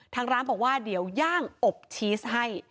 ทางร้านบอกว่าเดี๋ยวย่างอบชีสให้